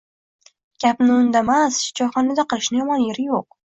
Gapni uydamas choyxonada qilishni yomon yeri yoʻq.